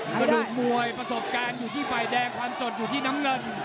กระดูกมวยประสบการณ์อยู่ที่ฝ่ายแดงความสดอยู่ที่น้ำเงิน